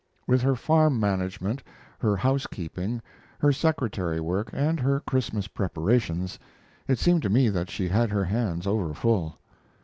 With her farm management, her housekeeping, her secretary work, and her Christmas preparations, it seemed to me that she had her hands overfull.